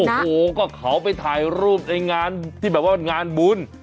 โอ้โหก็เขาไปถ่ายรูปในงานที่แบบว่างานบุญ